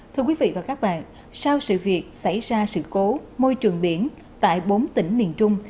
thưa quý vị và các bạn sau sự việc xảy ra sự cố môi trường biển tại bốn tỉnh miền trung